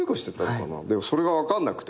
でもそれが分かんなくて。